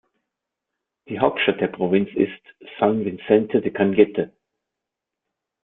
Die Hauptstadt der Provinz ist San Vicente de Cañete.